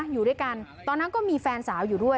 อยู่ด้วยกันตอนนั้นก็มีแฟนสาวอยู่ด้วย